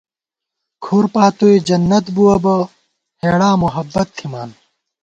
کھُر پاتوئے جنت بُوَہ بہ ہیڑا محبت تھِمان